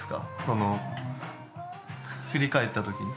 その振り返ったときに。